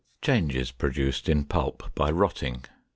CHANGES PRODUCED IN PULP BY ROTTING.